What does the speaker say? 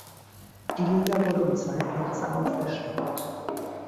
Die Liga wurde um zwei Plätze aufgestockt.